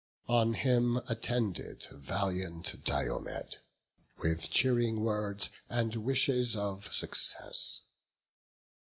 On him attended valiant Diomed, With cheering words, and wishes of success.